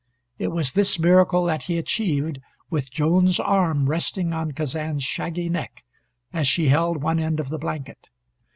It was this miracle that he achieved, with Joan's arm resting on Kazan's shaggy neck as she held one end of the blanket.